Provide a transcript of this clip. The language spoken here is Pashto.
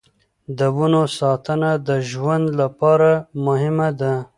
د ونو ساتنه د ژوند لپاره مهمه ده.